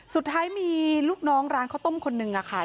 สุดท้ายมีลูกน้องร้านข้าวต้มคนนึงค่ะ